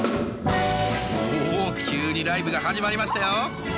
おお急にライブが始まりましたよ。